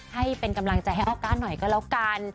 ให้เป็นกำลังใจให้ออก้าหน่อยก็แล้วกัน